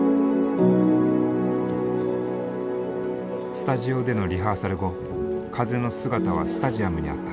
スタジオでのリハーサル後風の姿はスタジアムにあった。